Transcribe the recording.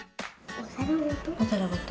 お皿ごと。